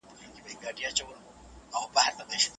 د اټکل کولو توان په دواړو کي توپیر لري.